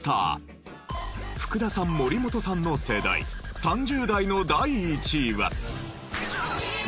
福田さん森本さんの世代３０代の第１位は。